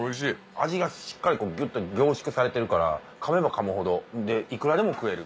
味がしっかりギュっと凝縮されてるから噛めば噛むほどでいくらでも食える。